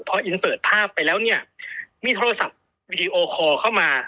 พออินเสิร์ตภาพไปแล้วเนี่ยมีโทรศัพท์วีดีโอคอลเข้ามา